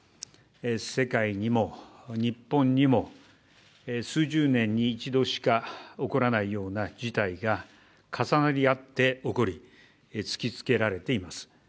世界にも日本にも、数十年に一度しか起こらないような事態が重なり合って起こり、突きつけられています。